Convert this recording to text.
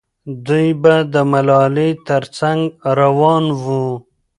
دوی به د ملالۍ تر څنګ روان وو.